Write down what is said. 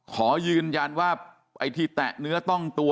ขอยืนยันว่าไอ้ที่แตะเนื้อต้องตัว